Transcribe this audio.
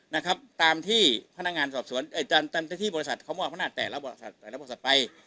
นะครับตามที่พนักงานสอบสวนเจ้าที่บริษัทเขามอบอำนาจแต่ละบริษัทแต่ละบริษัทไป